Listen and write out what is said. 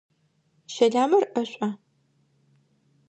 Щэламэр ӏэшӏуа?